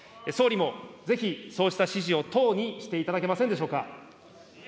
総理もぜひそうした指示を党にしていただけませんでしょうか。